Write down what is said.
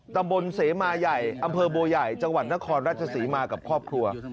ตำบลเสมาใหญ่อำเภอบัวใหญ่จังหวัดนครราชศรีมากับครอบครัว